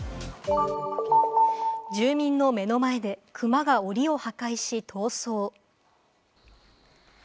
住民の目の前でクマが檻を破壊し、逃走。